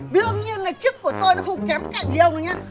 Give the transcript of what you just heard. biêu nhiên là chức của tôi nó không kém cạnh gì ông nữa nhá